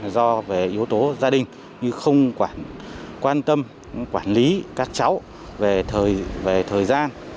do về yếu tố gia đình như không quản quan tâm quản lý các cháu về thời gian